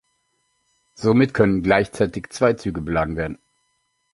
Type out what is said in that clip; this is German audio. Somit können gleichzeitig zwei Züge beladen werden.